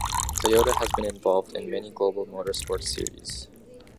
Toyota has been involved in many global motorsports series.